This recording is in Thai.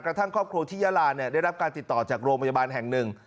ครอบครัวที่ยาลาได้รับการติดต่อจากโรงพยาบาลแห่งหนึ่ง